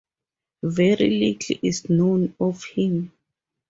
Very little is known of him.